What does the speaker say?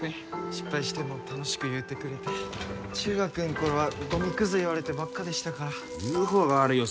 失敗しても「楽しく」言うてくれて中学ん頃はゴミクズ言われてばっかでしたから言うほうが悪いよ